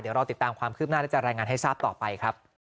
เดี๋ยวรอติดตามความคืบหน้าและจะรายงานให้ทราบต่อไปครับ